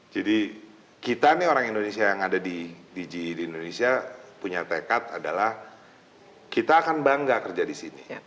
jadi kita nih orang indonesia yang ada di ge di indonesia punya tekad adalah kita akan bangga kerja di sini